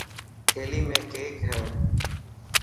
ٿيلي ۾ ڪيڪ هي.